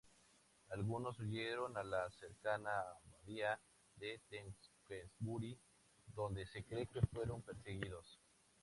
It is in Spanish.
Algunos huyeron a la cercana abadía de Tewkesbury, donde se cree que fueron perseguidos.